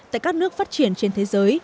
tại các nước phát triển trên thế giới